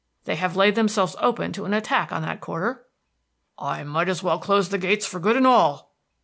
They have laid themselves open to an attack on that quarter." "I might as well close the gates for good and all."